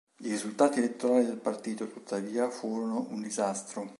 I risultati elettorali del partito, tuttavia, furono un disastro.